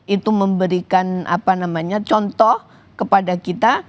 itu memberikan contoh kepada kita